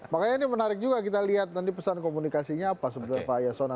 makanya ini menarik juga kita lihat nanti pesan komunikasinya apa sebenarnya pak yasona